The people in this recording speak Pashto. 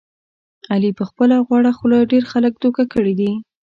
علي په خپله غوړه خوله ډېر خلک دوکه کړي دي.